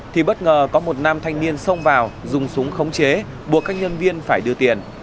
thì bất ngờ có một nam thanh niên xông vào dùng súng khống chế buộc các nhân viên phải đưa tiền